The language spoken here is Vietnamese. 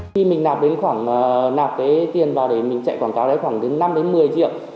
khi mình nạp tiền vào để mình chạy quảng cáo khoảng năm một mươi triệu